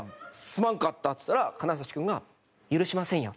すまんかった」っつったら金指君が「許しませんよ」